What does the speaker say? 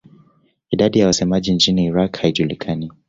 Idadi ya wasemaji nchini Iraq haijulikani.